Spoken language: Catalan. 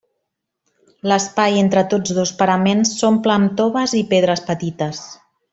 L'espai entre tots dos paraments s'omple amb toves i pedres petites.